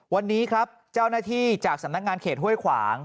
วันนี้ครับเจ้าหน้าที่จากสำนักงานเขตห้วยขวาง